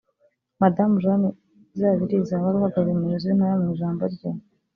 Madamu Jeanne Izabiriza wari uhagarariye umuyobozi w’intara mu ijambo rye